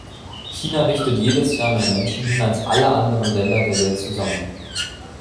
China richtet jedes Jahr mehr Menschen hin als alle anderen Länder der Welt zusammen.